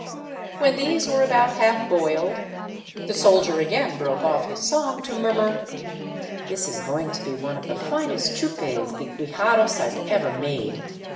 When these were about half boiled the soldier again broke oflf his song to murmur :" This is going to be one of the finest chupes de guijarros I 've ever made.